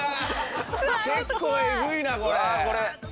結構えぐいなこれ！